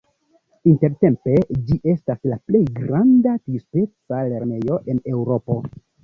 Intertempe ĝi estas la plej granda tiaspeca lernejo en Eŭropo.